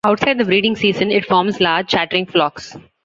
Outside the breeding season it forms large, chattering flocks.